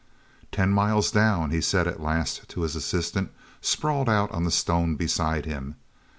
"Ten miles down!" he said at last to his assistant, sprawled out on the stone beside him.